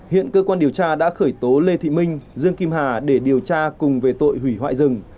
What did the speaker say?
hiện cơ quan điều tra đã khởi tố lê thị minh dương kim hà để điều tra cùng về tội hủy hoại rừng